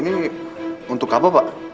ini untuk apa pak